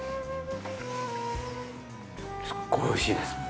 すっごいおいしいです！